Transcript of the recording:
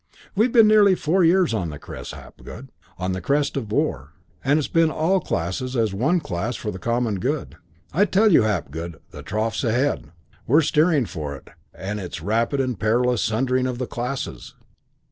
We've been nearly four years on the crest, Hapgood, on the crest of the war and it's been all classes as one class for the common good. I tell you, Hapgood, the trough's ahead; we're steering for it; and it's rapid and perilous sundering of the classes.